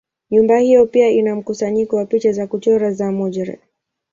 Nyumba hiyo pia ina mkusanyiko wa picha za kuchora za Majorelle.